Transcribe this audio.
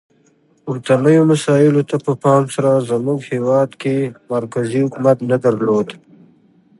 پورتنیو مسایلو ته په پام سره زموږ هیواد کې مرکزي حکومت نه درلود.